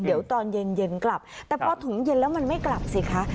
เดี๋ยวตอนเย็นกลับแต่พอถุงเย็นแล้วมันไม่กลับสิคะ